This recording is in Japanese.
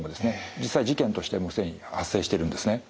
実際事件としてもう既に発生してるんですね。